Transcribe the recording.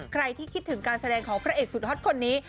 ใครที่คิดถึงการแสดงของพระเอกสุดฮอตคนนี้